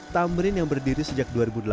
tamrin yang berdiri sejak dua ribu delapan